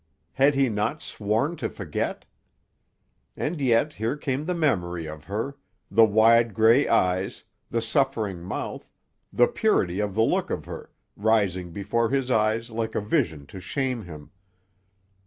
Had he not sworn to forget? And yet here came the memory of her—the wide grey eyes, the suffering mouth, the purity of the look of her—rising before his eyes like a vision to shame him.